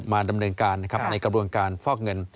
มาดำเนินการในกระบวนการฟอกเงิน